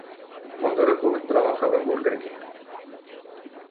Cuando era joven trabajaba en un Burger King.